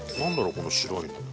この白いの。